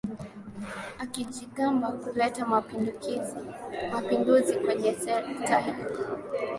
akijigamba kuleta mapinduzi kwenye sekta hiyo